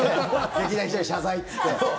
劇団ひとり謝罪っつって。